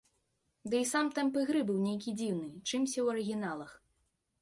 Ды і сам тэмп ігры быў нейкі дзіўны, чымся ў арыгіналах.